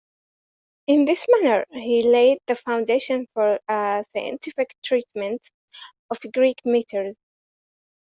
In this manner he laid the foundation for a scientific treatment of Greek metres.